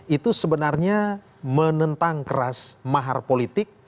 itu sebenarnya menentang keras mahar politik